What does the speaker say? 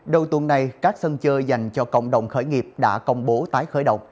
đầu tuần này các sân chơi dành cho cộng đồng khởi nghiệp đã công bố tái khởi động